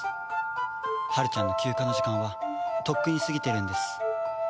はるちゃんの休暇の時間はとっくに過ぎているんです。